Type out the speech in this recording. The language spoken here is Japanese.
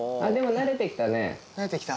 慣れてきた？